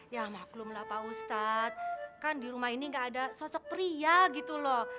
ya maklumlah pak ustadz kan di rumah ini gak ada sosok pria gitu lho